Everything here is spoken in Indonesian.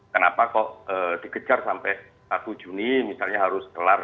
kenapa kok dikejar sampai satu juni misalnya harus kelar